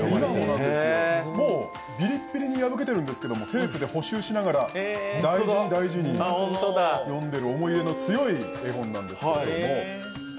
もうびりっびりに破けてるんですけれどもテープで補修しながら大事に大事に呼んでいる思い入れの強い絵本なんです。